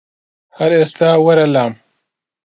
هەر ئیستا وەرە لام